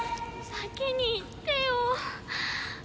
先に言ってよ。